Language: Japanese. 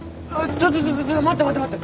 ちょちょ待って待って待って。